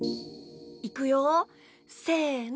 いくよせの！